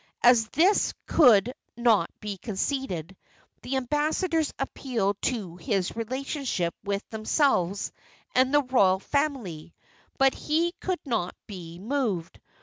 As this could not be conceded, the ambassadors appealed to his relationship with themselves and the royal family; but he could not be moved.